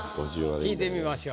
聞いてみましょう。